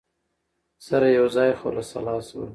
سره یوځای خلع سلاح شول